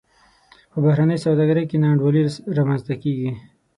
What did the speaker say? په بهرنۍ سوداګرۍ کې نا انډولي رامنځته کیږي.